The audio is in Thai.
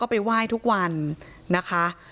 ไปไหว้ทุกวันนะคะ